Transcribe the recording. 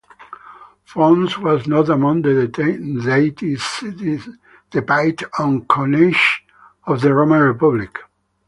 Fons was not among the deities depicted on coinage of the Roman Republic.